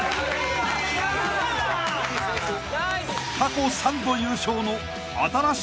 ［過去３度優勝の］